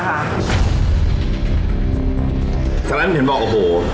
สักครั้งที่เขียนบอกโอ้โฮ